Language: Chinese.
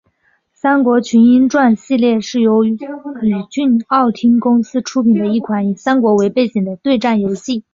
三国群英传系列是由宇峻奥汀公司出品的一款以三国为背景的对战游戏。